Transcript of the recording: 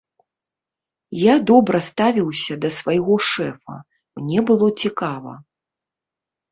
Я добра ставіўся да свайго шэфа, мне было цікава.